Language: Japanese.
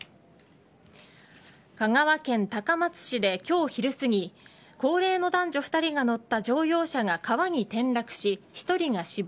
香川県高松市で今日昼すぎ高齢の男女２人が乗った乗用車が川に転落し、１人が死亡。